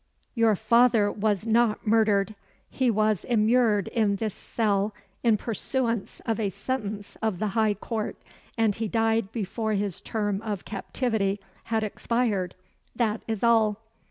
Tour father was not murdered. He was immured in this cell in pursuance of a sentence of the High Court, and he died before his term of captivity had expired, that is all."